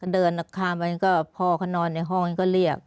เดินข้ามไปก็พ่อเขานอนในห้องก็เรียก